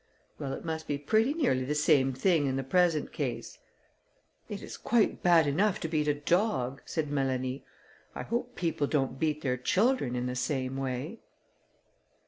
Well, it must be pretty nearly the same thing in the present case." "It is quite bad enough to beat a dog," said Mélanie. "I hope people don't beat their children in the same way."